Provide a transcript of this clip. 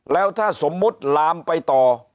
แล้วถ้าสมมุติลามไปต่อ